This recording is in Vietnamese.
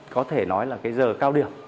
có thể nói là cái giờ cao điểm